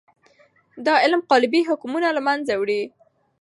دا علم قالبي حکمونه له منځه وړي.